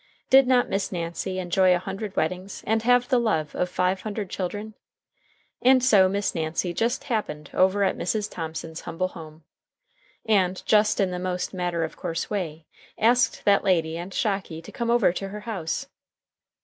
Did not Miss Nancy enjoy a hundred weddings and have the love of five hundred children? And so Miss Nancy just happened over at Mrs. Thomson's humble home, and, just in the most matter of course way, asked that lady and Shocky to come over to her house.